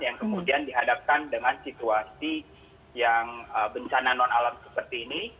yang kemudian dihadapkan dengan situasi yang bencana non alam seperti ini